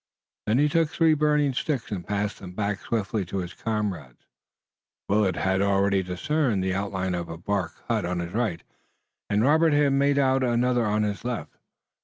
Then he took three burning sticks and passed them back swiftly to his comrades. Willet had already discerned the outline of a bark hut on his right and Robert had made out another on his left.